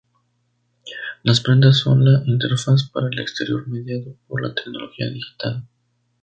Las prendas son la interfaz para el exterior mediado por la tecnología digital.